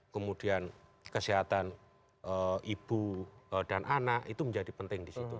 kemudian kesehatan ibu dan anak itu menjadi penting di situ